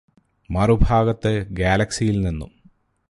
മറുഭാഗത്ത് ഗാലക്സിയിൽ നിന്നും